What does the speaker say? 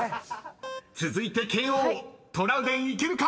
［続いて慶應トラウデンいけるか⁉］